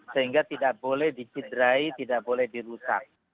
sehingga tidak boleh dicederai tidak boleh dirusak